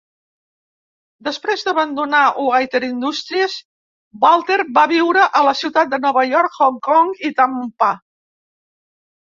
Després d'abandonar Walter Industries, Walter va viure a la ciutat de Nova York, Hong Kong i Tampa.